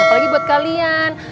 apalagi buat kalian